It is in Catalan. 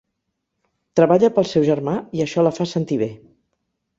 Treballa pel seu germà i això la fa sentir bé.